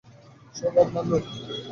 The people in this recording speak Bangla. সব আপনার লোক।